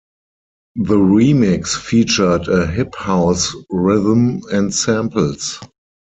The remix featured a hip house rhythm and samples.